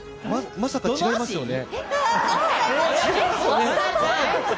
まさか違いますよね。